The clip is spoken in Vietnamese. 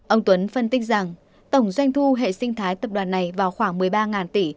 ông tuấn phân tích rằng tổng doanh thu hệ sinh thái tập đoàn này vào khoảng một mươi ba tỷ